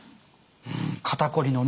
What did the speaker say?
うん肩こりのね